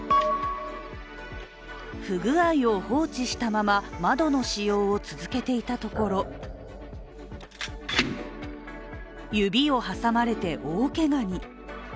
不具合を放置したまま窓の使用を続けていたところ指を挟まれて大けがに。